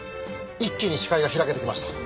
一気に視界が開けてきました。